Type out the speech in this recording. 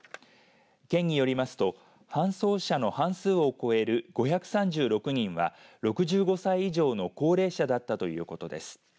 県によりますと搬送者の半数を超える５３６人は６５歳以上の高齢者だったということです。